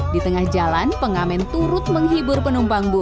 di tengah jalan pengamen turut menghibur penumpang bus